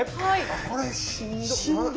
これしんど。